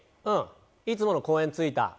いつもの公園、着いた。